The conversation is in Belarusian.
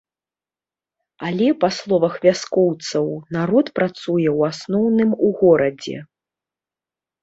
Але па словах вяскоўцаў, народ працуе ў асноўным у горадзе.